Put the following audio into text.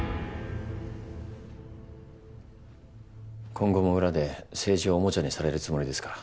今後も裏で政治をおもちゃにされるつもりですか。